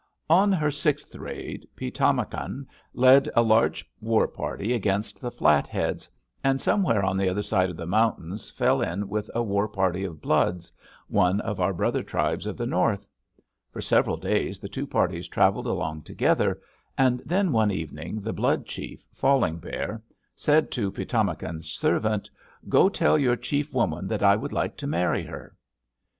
"On her sixth raid, Pi´tamakan led a large war party against the Flatheads, and somewhere on the other side of the mountains fell in with a war party of Bloods, one of our brother tribes of the North. For several days the two parties traveled along together, and then one evening the Blood chief, Falling Bear, said to Pi´tamakan's servant: 'Go tell your chief woman that I would like to marry her.'